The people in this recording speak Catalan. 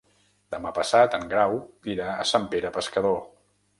Demà passat en Grau irà a Sant Pere Pescador.